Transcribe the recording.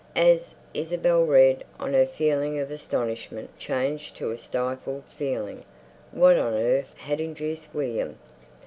As Isabel read on her feeling of astonishment changed to a stifled feeling. What on earth had induced William...?